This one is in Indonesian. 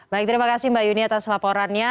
baik terima kasih mbak yuni atas laporannya